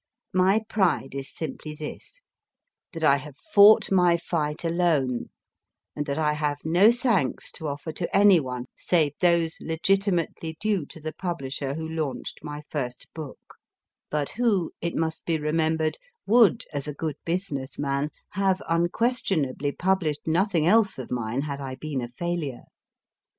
My pride is simply this : that I have fought my fight alone, and that I have no thanks to offer to anyone, save those legitimately due to the publisher who launched my first book, but who, it must be remembered, would, as a good business man, have unquestionably published nothing MARIE CORELLI 219 else of mine had I been a failure.